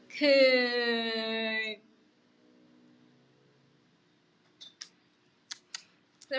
คือ